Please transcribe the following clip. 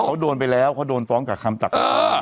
เขาโดนไปแล้วเขาโดนฟ้องกับคำตัก